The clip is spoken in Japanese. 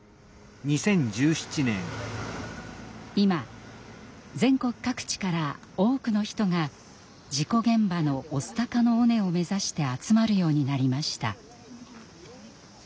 今全国各地から多くの人が事故現場の御巣鷹の尾根を目指して集まるようになりました。